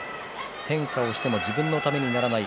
変化をしても自分のためにはならない。